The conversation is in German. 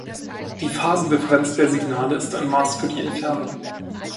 Die Phasendifferenz der Signale ist ein Maß für die Entfernung.